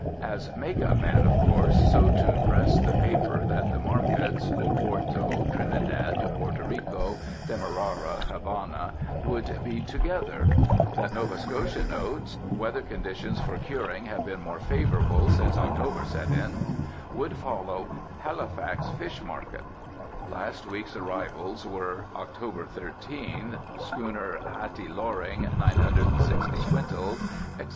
As make up man, of course, so to "dress" the paper that the "markets," Oporto, Trinidad, Porto Rico, Demerara, Havana, would be together; that "Nova Scotia Notes" "Weather conditions for curing have been more favorable since October set in" would follow "Halifax Fish Market" "Last week's arrivals were: Oct. 13, schr. Hattie Loring, 960 quintals," etc.